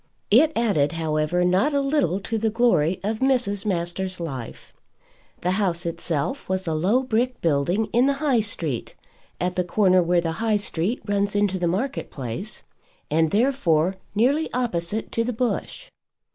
It added, however, not a little to the glory of Mrs. Masters' life. The house itself was a low brick building in the High Street, at the corner where the High Street runs into the market place, and therefore, nearly opposite to the Bush.